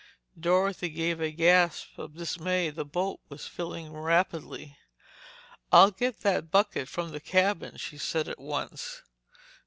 Dorothy gave a gasp of dismay. The boat was filling rapidly. "I'll get that bucket from the cabin," she said at once.